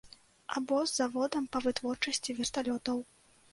Або з заводам па вытворчасці верталётаў.